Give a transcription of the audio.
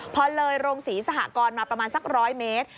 พอเลยโรงศรีสหกรณ์มาประมาณสัก๑๐๐เมตร